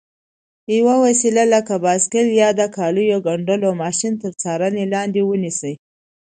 یوه وسیله لکه بایسکل یا د کالیو ګنډلو ماشین تر څارنې لاندې ونیسئ.